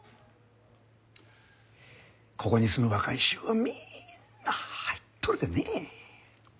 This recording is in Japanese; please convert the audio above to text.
ここに住む若い衆はみんな入っとるでねえ。